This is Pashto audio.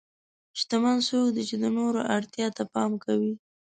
شتمن څوک دی چې د نورو اړتیا ته پام کوي.